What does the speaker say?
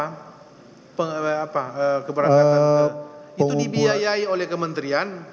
itu dibiayai oleh kementerian